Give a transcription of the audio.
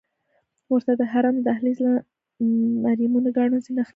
ورته د حرم له دهلیز نه مرمرینو کاڼو زینه ښکته شوې.